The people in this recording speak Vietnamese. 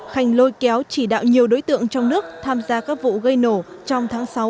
khanh lôi kéo chỉ đạo nhiều đối tượng trong nước tham gia các vụ gây nổ trong tháng sáu